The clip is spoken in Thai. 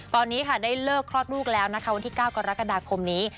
ตอนนี้ค่ะได้เลิกคลอดลูกแล้วนะคะวันที่๙กรกฎาคมนี้